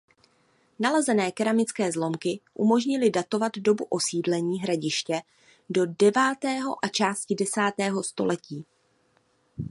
Nalezené keramické zlomky umožnily datovat dobu osídlení hradiště do devátého a části desátého století.